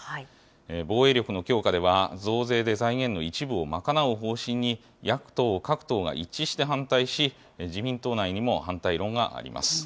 防衛力の強化では、増税で財源の一部を賄う方針に、野党各党が一致して反対し、自民党内にも反対論があります。